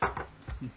うん。